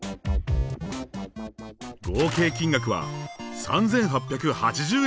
合計金額は３，８８０円でした。